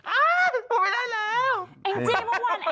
อ้าวผมไม่ได้แล้ว